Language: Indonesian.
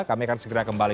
kami akan segera kembali